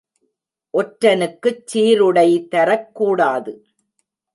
ஒற்றனுக்குச் சீருடை தரக் கூடாது.